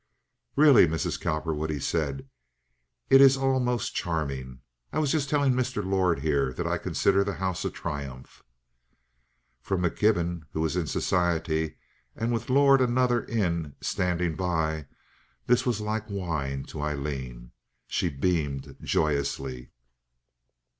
"Really, Mrs. Cowperwood," he said, "it is all most charming. I was just telling Mr. Lord here that I consider the house a triumph." From McKibben, who was in society, and with Lord, another "in" standing by, this was like wine to Aileen. She beamed joyously.